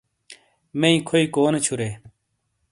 مئی کھوئی کونے چھُرے ؟